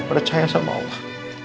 percaya sama allah